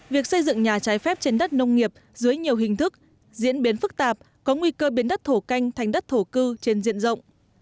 việc xây dựng nhà trái phép trên đất nông nghiệp dưới nhiều hình thức diễn biến phức tạp có nguy cơ biến đất thổ canh thành đất thổ cư trên diện rộng